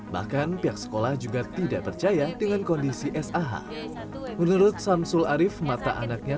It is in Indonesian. bahkan pihak sekolah juga tidak percaya dengan kondisi sah menurut samsul arief mata anaknya